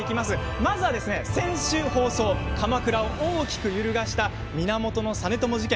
まずは先週放送した鎌倉を大きく揺るがした源実朝事件。